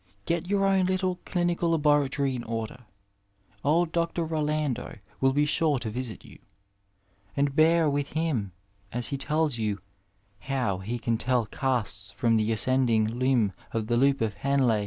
Gret your own little clinical laboratory in order. Old Dr. Rolando will be sure to visit you, and bear with him as he tells you how he can tell casts from the ascending limb of the loop of Henle.